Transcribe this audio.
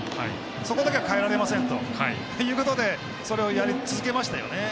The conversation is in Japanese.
そこだけは変えれませんということでそこをやり続けましたよね。